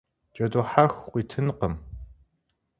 Джэду хьэху къыуитынкъым.